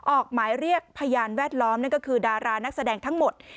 ออกหมายเรียกพยานแวดล้อมนั่นก็คือดารานักแสดงทั้งหมด